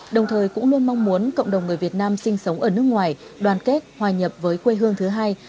đồng thời cũng luôn mong muốn cộng đồng người việt nam sinh sống ở nước ngoài đoàn kết hòa nhập với quê hương thứ hai